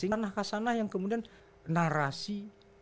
tanah khasanah yang kemudian narasi